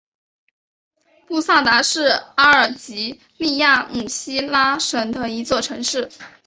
布萨达是阿尔及利亚姆西拉省的一座城市。